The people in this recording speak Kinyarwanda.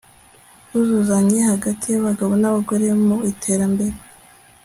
ubwuzuzanye hagati y'abagabo n'abagore mu iterambere